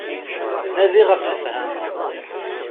Nadi ɣef lefhama.